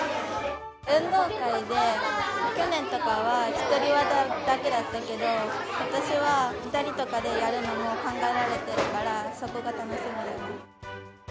運動会で、去年とかは１人技だけだったけど、ことしは２人とかでやるのも考えられているから、そこが楽しみです。